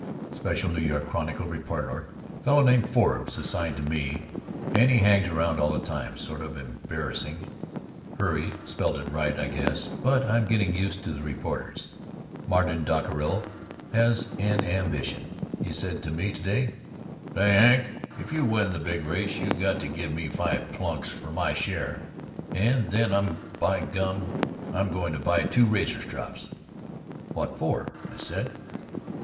Special NY Chronicle reporter, fellow named Forbes, assigned to me, and he hangs around all the time, sort of embarrassing (hurray, spelled it right, I guess) but I'm getting used to the reporters. Martin Dockerill has an ambition! He said to me to day, "Say, Hawk, if you win the big race you got to give me five plunks for my share and then by gum I'm going to buy two razor strops." "What for?" I said.